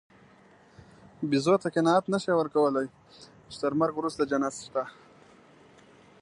بیزو ته قناعت نهشې ورکولی، چې تر مرګ وروسته جنت شته.